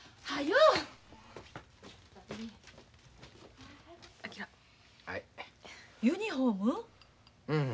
うん。